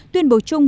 tuyên bố chung